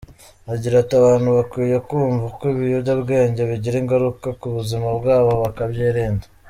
Agira ati :”Abantu bakwiye kumva ko ibiyobyabwenge bigira ingaruka ku buzima bwabo bakabyirinda ”.